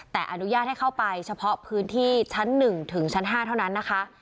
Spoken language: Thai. แต่อนุญาตให้เข้าไปเฉพาะพื้นที่ชั้น๑ถึงชั้น๕เท่านั้นนะคะ